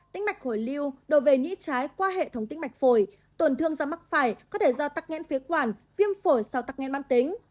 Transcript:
tính mạch hồi lưu đồ về nhĩ trái qua hệ thống tính mạch phổi tổn thương ra mắc phải có thể do tắc nghẽn phía quản viêm phổi sau tắc nghẽn bán tính